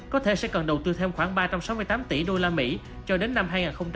có thể sẽ cần đầu tư thêm khoảng ba trăm sáu mươi tám tỷ usd cho đến năm hai nghìn hai mươi